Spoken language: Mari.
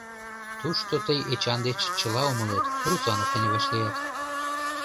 Тушто тый Эчан деч чыла умылет, Русанов дене вашлият.